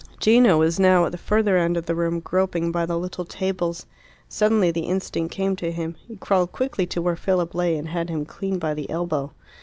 Gino was now at the further end of the room, groping by the little tables. Suddenly the instinct came to him. He crawled quickly to where Philip lay and had him clean by the elbow.